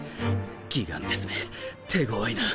ギガンテスめ手ごわいな。